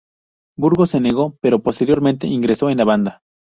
Burgos se negó, pero posteriormente ingresó en la banda.